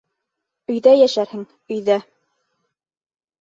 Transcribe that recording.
Өйҙә йәшәрһең, өйҙә!